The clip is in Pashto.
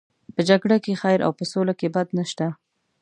په جګړه کې خیر او په سوله کې بد نشته.